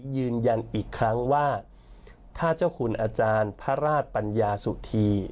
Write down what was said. ยืนยันอีกครั้งว่าถ้าเจ้าคุณอาจารย์พระราชปัญญาสุธี